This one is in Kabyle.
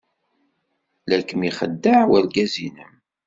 La kem-ixeddeɛ urgaz-nnem.